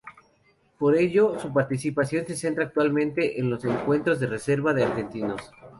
Por ello, su participación se centra actualmente en los encuentros de Reserva de Argentinos.